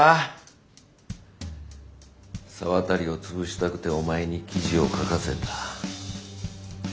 沢渡をつぶしたくてお前に記事を書かせた。